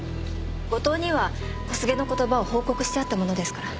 後藤には小菅の言葉を報告してあったものですから。